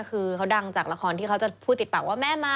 เขาดังจากหละครที่จะพูดติดปากว่า